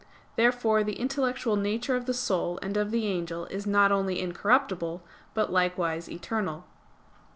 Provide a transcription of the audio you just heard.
Therefore the intellectual nature of the soul and of the angel is not only incorruptible, but likewise eternal.